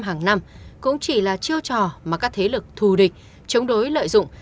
hàng năm cũng chỉ là chiêu trò mà các thế lực thù địch chống đối lợi dụng